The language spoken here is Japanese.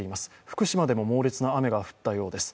福島でも猛烈な雨が降ったようです。